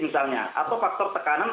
misalnya atau faktor tekanan